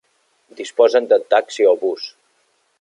Disposen de taxi o bus.